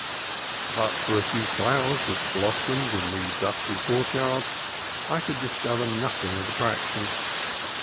But for a few flowers that bloomed in the dusty courtyard I could discover nothing of attraction.